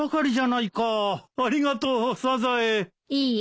いいえ。